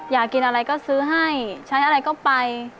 อยากกินอะไรก็ซื้อให้ใช้อะไรก็ไป